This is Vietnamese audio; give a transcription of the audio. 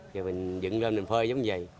rồi mình dựng lên mình phơi giống như vậy